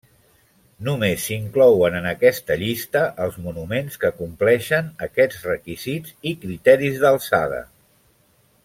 Només s'inclouen en aquesta llista els monuments que compleixen aquests requisits i criteris d'alçada.